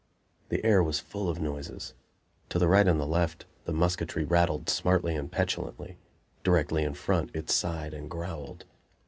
The air was full of noises. To the right and the left the musketry rattled smartly and petulantly; directly in front it sighed and growled.